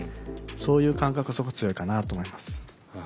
そういう感覚はすごい強いかなと思います。